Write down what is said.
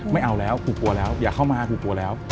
ไม่เอาแล้วกูกลัวแล้วอย่าเข้ามากูกลัวแล้ว